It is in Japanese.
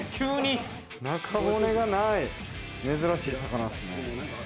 中骨がない、珍しい魚っすね。